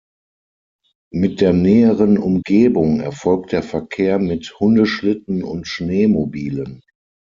Mit der näheren Umgebung erfolgt der Verkehr mit Hundeschlitten und Schneemobilen.